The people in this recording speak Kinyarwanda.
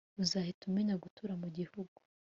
uzahita umenyera gutura mugihugu